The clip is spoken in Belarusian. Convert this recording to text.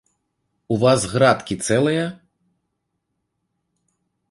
У вас градкі цэлыя?